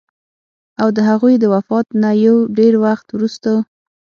او د هغوي د وفات نه يو ډېر وخت وروستو